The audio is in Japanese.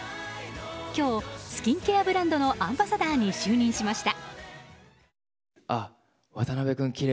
今日、スキンケアブランドのアンバサダーに就任しました。